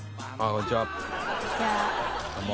「こんにちは」